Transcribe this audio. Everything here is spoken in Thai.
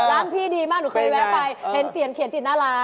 ร้านพี่ดีมากหนูเคยแวะไปเห็นเตียนเขียนติดหน้าร้าน